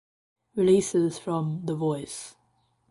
Releases from "The Voice"